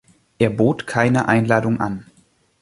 Er bot keine Einladung an.